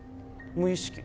無意識。